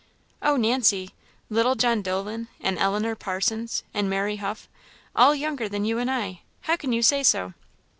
"Oh, Nancy! little John Dolan, and Eleanor Parsons, and Mary Huff all younger than you and I; how can you say so?"